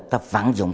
ta vạn dụng